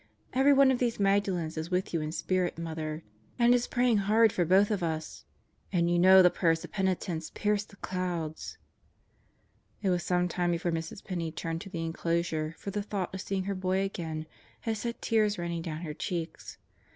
Every one of these Magdalens is with you in spirit, Mother, and is praying hard for both of us. And you know the prayers of penitents pierce the clouds 1 ..." It was some time before Mrs. Penney turned to the enclosure, for the thought of seeing her boy again had set tears running down her cheeks.